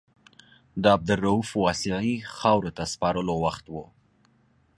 د عبدالرؤف واسعي خاورو ته سپارلو وخت و.